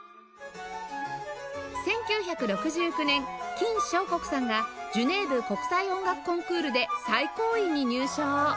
１９６９年金昌国さんがジュネーブ国際音楽コンクールで最高位に入賞